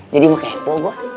jadi mau kepo gua